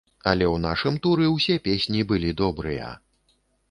Але ў нашым туры ўсе песні былі добрыя.